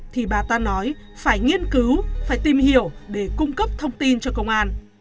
thì bà ta nói phải nghiên cứu phải tìm hiểu để cung cấp thông tin cho công an